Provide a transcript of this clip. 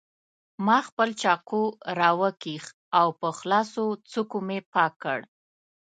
ما خپل چاقو راوکېښ او په خلاصو څوکو مې پاک کړ.